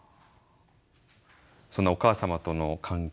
そのお母様との関係